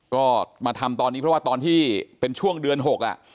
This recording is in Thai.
ก็มาทำตอนนี้เพราะว่าตอนที่เป็นช่วงเดือน๖อ่ะ